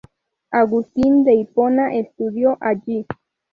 Agustín de Hipona estudió allí.